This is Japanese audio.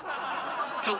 はい。